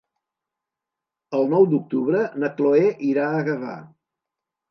El nou d'octubre na Cloè irà a Gavà.